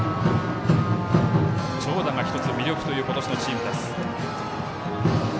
長打が１つ魅力という今年のチームです。